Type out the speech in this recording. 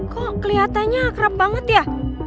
kok kelihatannya akrab banget ya